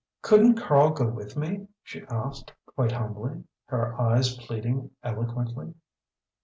"Couldn't Karl go with me?" she asked, quite humbly, her eyes pleading eloquently.